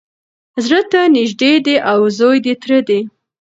زړه ته نیژدې دی او زوی د تره دی